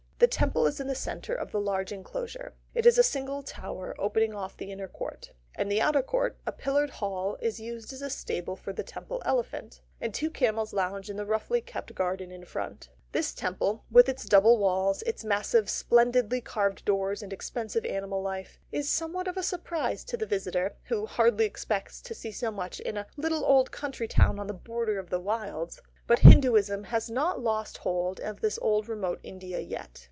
The Temple is in the centre of the large enclosure. It is a single tower opening off the inner court. In the outer court a pillared hall is used as stable for the Temple elephant, and two camels lounge in the roughly kept garden in front. This Temple, with its double walls, its massive, splendidly carved doors and expensive animal life, is somewhat of a surprise to the visitor, who hardly expects to see so much in a little old country town on the borders of the wilds. But Hinduism has not lost hold of this old remote India yet.